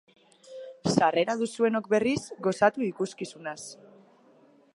Sarrera duzuenok, berriz, gozatu ikuskizunaz.